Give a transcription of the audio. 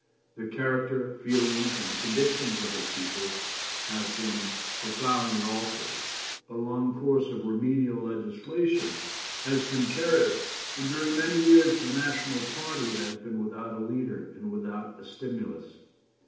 The character, feelings, and conditions of the people have been profoundly altered. A long course of remedial legislation has been carried, and during many years the national party has been without a leader and without a stimulus.